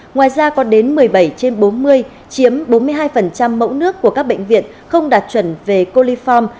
ngoài ra có đến một mươi bảy trên bốn mươi chiếm bốn mươi hai mẫu nước của các bệnh viện không đạt chuẩn về coliform